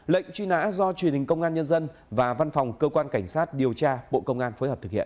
lệnh truy nã do truyền hình công an nhân dân và văn phòng cơ quan cảnh sát điều tra bộ công an phối hợp thực hiện